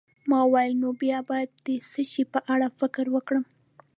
ما وویل: نو بیا باید د څه شي په اړه فکر وکړم؟